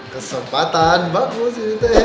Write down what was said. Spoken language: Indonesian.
kesempatan bagus itu ya